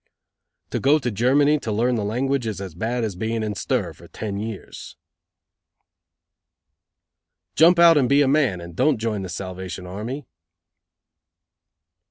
"To go to Germany to learn the language is as bad as being in stir for ten years." "Jump out and be a man and don't join the Salvation Army."